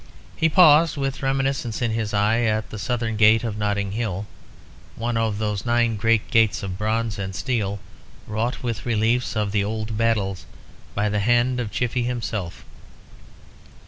He paused, with reminiscence in his eye, at the Southern Gate of Notting Hill, one of those nine great gates of bronze and steel, wrought with reliefs of the old battles, by the hand of Chiffy himself.